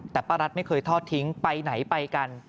แต่ป้ารัฐไม่เคยทอดทิ้งไปไหนไปกัน